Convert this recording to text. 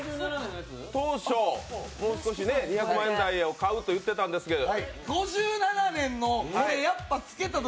当初、２００万円台を買うと言ってたんですけど。